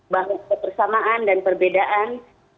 bahwa kepersamaan dan perbedaan